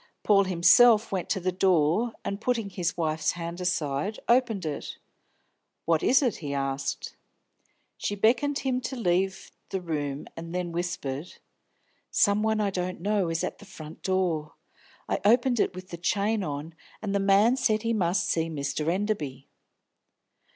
Paul himself went to the door, and, putting his wife's hand aside, opened it. "What is it?" he asked. She beckoned him to leave the room, then whispered: "Some one I don't know is at the front door. I opened it with the chain on, and a man said he must see Mr. Enderby."